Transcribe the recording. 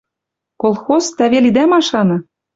Колхоз — тӓ вел идӓ машаны